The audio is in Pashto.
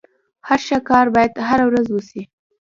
هر ښه کار بايد هره ورځ وسي.